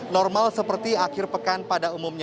normal seperti akhir pekan pada umumnya